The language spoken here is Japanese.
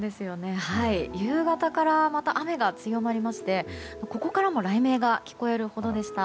夕方からまた雨が強まりましてここからも雷鳴が聞こえるほどでした。